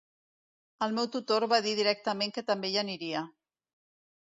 El meu tutor va dir directament que també hi aniria.